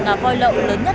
ngả voi lậu lớn nhất